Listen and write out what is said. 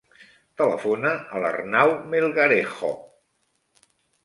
Telefona a l'Arnau Melgarejo.